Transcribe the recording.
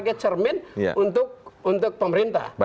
sebagai cermin untuk pemerintah